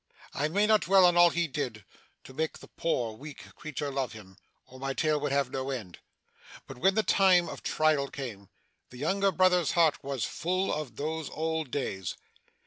I may not dwell on all he did, to make the poor, weak creature love him, or my tale would have no end. But when the time of trial came, the younger brother's heart was full of those old days.